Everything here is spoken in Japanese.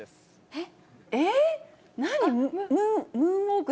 えっ？